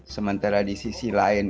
sementara di sisi lain